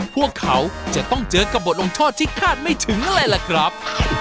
พวกเขาจะต้องเจอกับบทลงโทษที่คาดไม่ถึงอะไรล่ะครับ